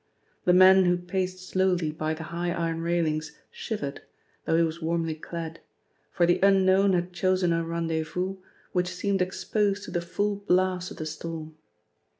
The man who paced slowly by the high iron railings shivered, though he was warmly clad, for the unknown had chosen a rendezvous which seemed exposed to the full blast of the storm.